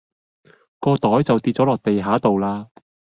個袋就跌左落地下道啦